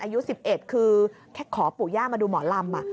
อายุ๑๑คือแค่ขอปู่ย่ามาดูหมอลำ